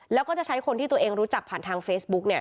แล้วก็จะใช้คนที่ตัวเองรู้จักผ่านทางเฟซบุ๊ก